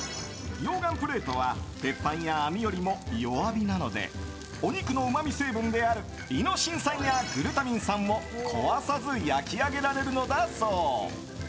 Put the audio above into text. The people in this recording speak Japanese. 溶岩プレートは鉄板や網よりも弱火なのでお肉のうまみ成分であるイノシン酸やグルタミン酸を壊さず焼き上げられるのだそう。